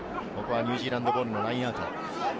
ニュージーランドボールのラインアウト。